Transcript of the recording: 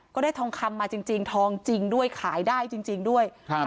ทองคำมาจริงจริงทองจริงด้วยขายได้จริงจริงด้วยครับ